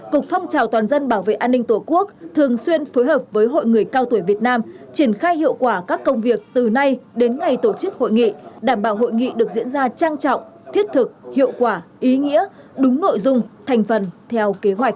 cục phong trào toàn dân bảo vệ an ninh tổ quốc thường xuyên phối hợp với hội người cao tuổi việt nam triển khai hiệu quả các công việc từ nay đến ngày tổ chức hội nghị đảm bảo hội nghị được diễn ra trang trọng thiết thực hiệu quả ý nghĩa đúng nội dung thành phần theo kế hoạch